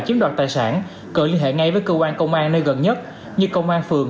chiếm đoạt tài sản cần liên hệ ngay với cơ quan công an nơi gần nhất như công an phường